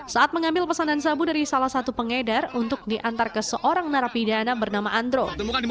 saat mengambil pesanan sabu dari salah satu pengedar untuk diantar ke seorang narapidana bernama andro